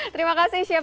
terima kasih chef